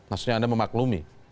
maksudnya anda memaklumi